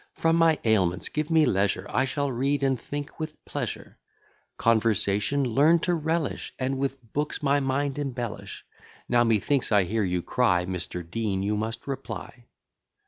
From my ailments give me leisure, I shall read and think with pleasure; Conversation learn to relish, And with books my mind embellish. Now, methinks, I hear you cry, Mr. Dean, you must reply.